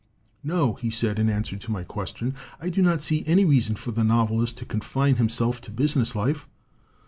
"No," he said, in answer to my question, "I do not see any reason for the novelist to confine himself to business life.